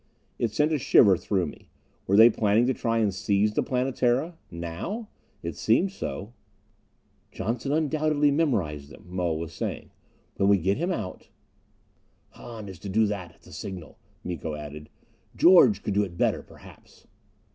It sent a shiver through me. Were they planning to try and seize the Planetara? Now? It seemed so. "Johnson undoubtedly memorized them," Moa was saying. "When we get him out " "Hahn is to do that, at the signal." Miko added, "George could do it better, perhaps."